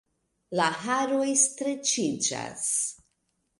La haroj streĉiĝas.